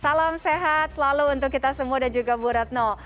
salam sehat selalu untuk kita semua dan juga bu retno